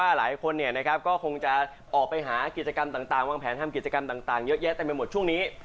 หลายคนก็คงจะออกไปหากิจกรรมต่างวางแผนทำกิจกรรมต่างเยอะแยะเต็มไปหมดช่วงนี้